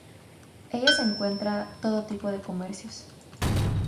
En ella se encuentra todo tipo de comercios.